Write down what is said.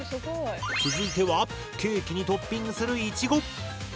続いてはケーキにトッピングするイチゴ。